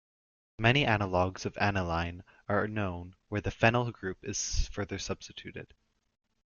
Many analogues of aniline are known where the phenyl group is further substituted.